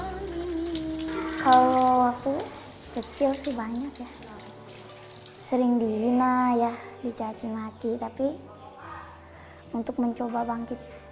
lala berusaha untuk mencoba bangkit